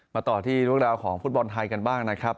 มาต่อที่รูปราวค์ของฟุตบอลไทยกันบ้างนะครับ